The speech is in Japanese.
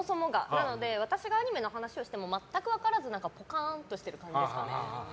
なので、私がアニメの話をしても全く分からずぽかんとしていますね。